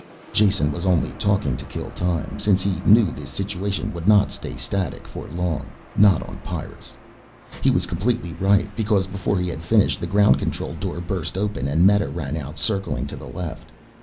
Jason was only talking to kill time, since he knew this situation would not stay static for long, not on Pyrrus. He was completely right because before he had finished the ground control door burst open and Meta ran out, circling to the left.